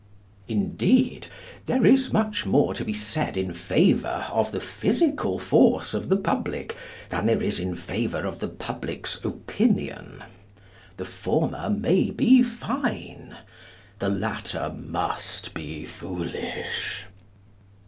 Indeed, there is much more to be said in favour of the physical force of the public than there is in favour of the public's opinion. The former may be fine. The latter must be foolish.